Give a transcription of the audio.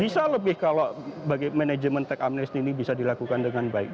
bisa lebih kalau bagi manajemen tech amnesty ini bisa dilakukan dengan baik